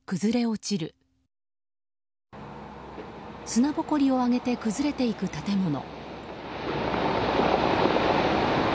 砂ぼこりを上げて崩れていく建物。